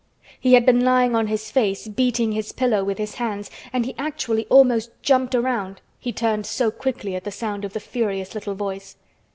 He had been lying on his face beating his pillow with his hands and he actually almost jumped around, he turned so quickly at the sound of the furious little voice.